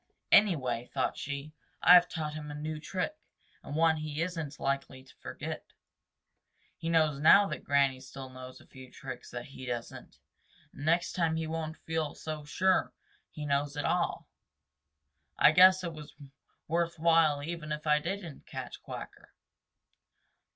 "Anyway," thought she, "I have taught him a new trick and one he is n't likely to forget. He knows now that Granny still knows a few tricks that he doesn't, and next time he won't feel so sure he knows it all. I guess it was worth while even if I didn't catch Quacker.